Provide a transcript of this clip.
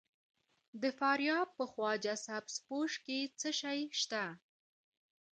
د فاریاب په خواجه سبز پوش کې څه شی شته؟